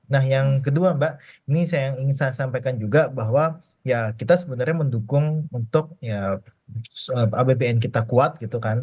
nah yang kedua mbak ini yang ingin saya sampaikan juga bahwa ya kita sebenarnya mendukung untuk ya abbn kita kuat gitu kan